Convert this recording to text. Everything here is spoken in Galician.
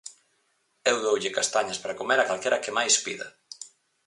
Eu doulle castañas para comer a calquera que máis pida.